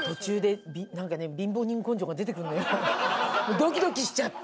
ドキドキしちゃって。